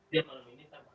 ya malam ini sama